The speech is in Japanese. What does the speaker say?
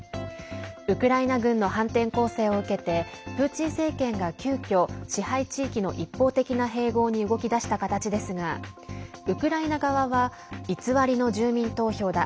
ウクライナ軍の反転攻勢を受けてプーチン政権が急きょ支配地域の一方的な併合に動き出した形ですがウクライナ側は偽りの住民投票だ。